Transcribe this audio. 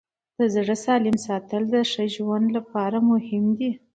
د زړه سالم ساتل د ښه ژوند لپاره مهم دي.